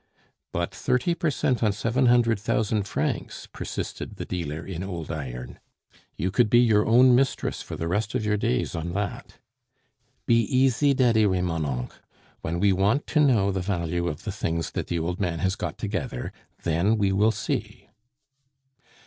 "But thirty per cent on seven hundred thousand francs," persisted the dealer in old iron; "you could be your own mistress for the rest of your days on that." "Be easy, Daddy Remonencq; when we want to know the value of the things that the old man has got together, then we will see."